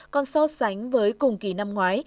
còn so sánh với cùng kỳ năm ngoái